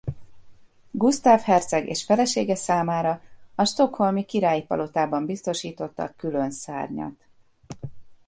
Gusztáv herceg és felesége számára a stockholmi királyi palotában biztosítottak külön szárnyat.